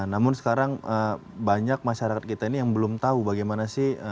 namun sekarang banyak masyarakat kita ini yang belum tahu bagaimana sih